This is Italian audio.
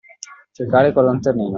Cercare col lanternino.